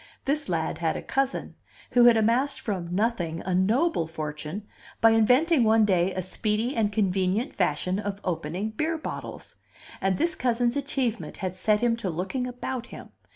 This lad had a cousin, who had amassed from nothing a noble fortune by inventing one day a speedy and convenient fashion of opening beer bottles; and this cousin's achievement had set him to looking about him.